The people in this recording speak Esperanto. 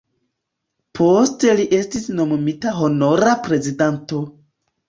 Poste li estis nomumita Honora Prezidanto.